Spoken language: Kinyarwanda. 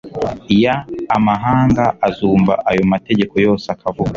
y amahanga azumva ayo mategeko yose akavuga